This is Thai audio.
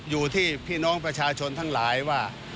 อยู่ที่พี่น้องประชาชนทั้งหลายว่า